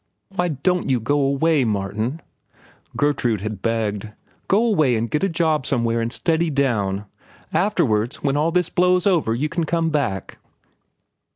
"Why don't you go away, Martin?" Gertrude had begged. "Go away and get a job somewhere and steady down. Afterwards, when this all blows over, you can come back."